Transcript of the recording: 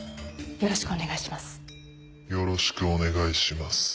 よろしくお願いします。